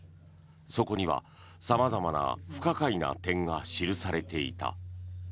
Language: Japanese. そこには様々な不可解な点が記されていた。